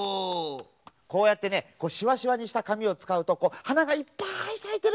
こうやってねしわしわにしたかみをつかうとはながいっぱいさいてるかんじになるだろう？